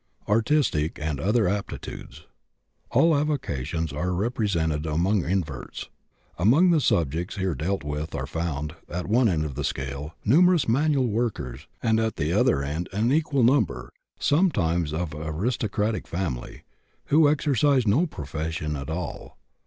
ARTISTIC AND OTHER APTITUDES. All avocations are represented among inverts. Among the subjects here dealt with are found, at one end of the scale, numerous manual workers, and at the other end an equal number, sometimes of aristocratic family, who exercise no profession at all.